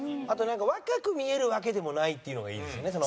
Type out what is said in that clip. あと若く見えるわけでもないっていうのがいいですよね。